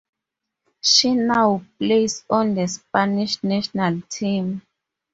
She now plays on the Spanish national team.